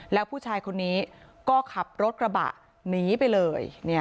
แล้วผู้ชายคนนี้ก็ขับรถกระบะหนีไปเลย